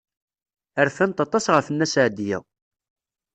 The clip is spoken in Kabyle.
Rfant aṭas ɣef Nna Seɛdiya.